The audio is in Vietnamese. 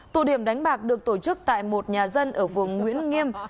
tù điểm đánh bạc được tổ chức tại một nhà dân ở vùng nguyễn nghiêm